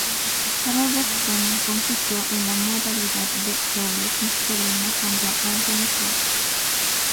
Robertson compitió en la modalidad de dobles masculino junto con Anthony Clark.